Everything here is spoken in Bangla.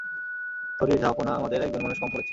থরির, জাহাঁপনা, আমাদের একজন মানুষ কম পড়েছে।